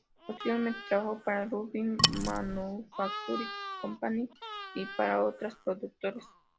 Posteriormente trabajó para Lubin Manufacturing Company y para otras productoras.